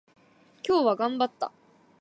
今日頑張った。